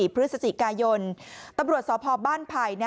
พฤศจิกายนตำรวจสพบ้านไผ่